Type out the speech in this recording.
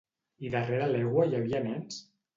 I darrera l'egua hi havia nens?